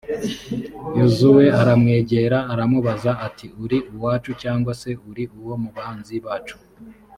yozuwe aramwegera, aramubaza ati «uri uwacu, cyangwa se uri uwo mu banzi bacu?